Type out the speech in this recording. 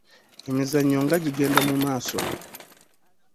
Emizannyo nga gigenda mu maaso.